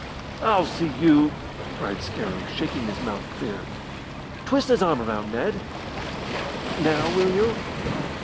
"I'll see you " cried Scarrow, shaking his mouth clear. "Twist his arm round, Ned. Now will you?"